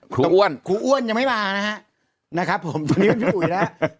ครูอ้วนครูอ้วนยังไม่มานะฮะนะครับผมตอนนี้เป็นพี่อุ๋ยแล้ว